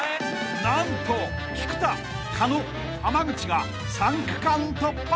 ［何と菊田狩野浜口が３区間突破！］